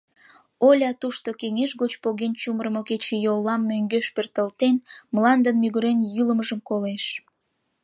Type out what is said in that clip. Оля тушто, кеҥеж гоч поген чумырымо кечыйоллам мӧҥгеш пӧртылтен, мландын мӱгырен йӱлымыжым колеш.